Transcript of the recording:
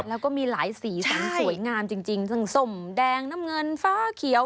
แล้วก็มีหลายสีสันสวยงามจริงทั้งสมแดงน้ำเงินฟ้าเขียว